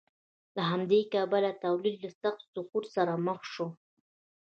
له همدې کبله تولید له سخت سقوط سره مخ شو.